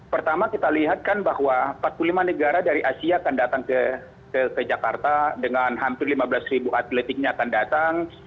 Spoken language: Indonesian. pertama kita lihat kan bahwa empat puluh lima negara dari asia akan datang ke jakarta dengan hampir lima belas ribu atletiknya akan datang